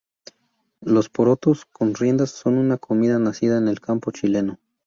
Los porotos con riendas son una comida nacida en el campo chileno.